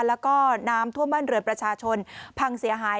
แล้วก็น้ำท่วมบ้านเรือนประชาชนพังเสียหาย